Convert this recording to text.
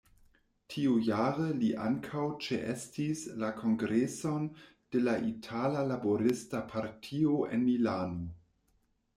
Tiujare li ankaŭ ĉeestis la kongreson de la Itala Laborista Partio en Milano.